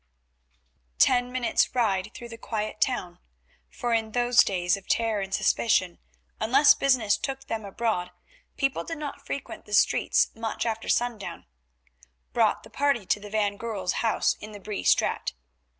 Ten minutes' ride through the quiet town, for in those days of terror and suspicion unless business took them abroad people did not frequent the streets much after sundown, brought the party to the van Goorl's house in the Bree Straat.